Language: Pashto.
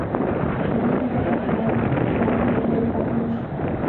په دې طبقه کې باید غټې ډبرې پاتې نشي